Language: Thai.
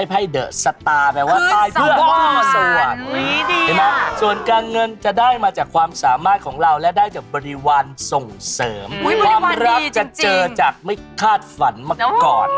เพิ่มที่กล้องเสริมความรับจะเจอจากไม่คาดฝันมาก่อน